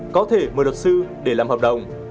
có thể mời đột sư để làm hợp đồng